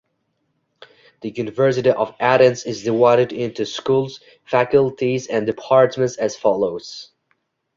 The University of Athens is divided into schools, faculties and departments as follows.